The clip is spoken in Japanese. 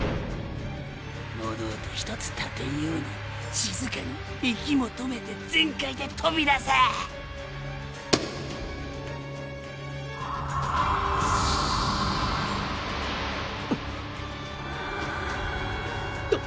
物音ひとつ立てんように静かに息も止めて全開でとびだせ！！な！！